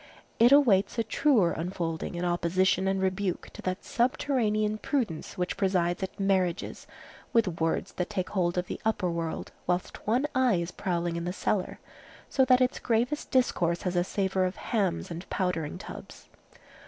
It awaits a truer unfolding in opposition and rebuke to that subterranean prudence which presides at marriages with words that take hold of the upper world, whilst one eye is prowling in the cellar; so that its gravest discourse has a savor of hams and powdering tubs.